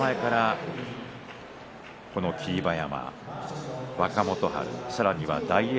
霧馬山と若元春さらには大栄